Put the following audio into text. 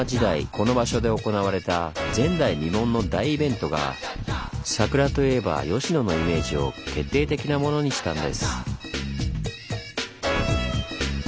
この場所で行われた前代未聞の大イベントが「桜といえば吉野」のイメージを決定的なものにしたんです。